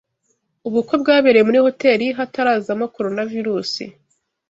Ubukwe bwabereye muri hotel hatarazamo coronavirus.